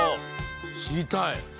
しりたい！